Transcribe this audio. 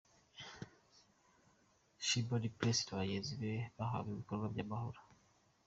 Shimon Peres na bagenzi be bahawe ibikombe by'amahoro.